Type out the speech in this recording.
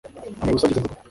nambaye ubusa ngeze mu rugo